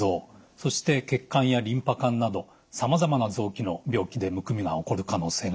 そして血管やリンパ管などさまざまな臓器の病気でむくみが起こる可能性があります。